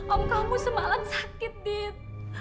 om kamu semalam sakit dit